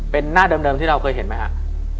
เป็นหน้าเดิมที่เราเคยเห็นไหมครับ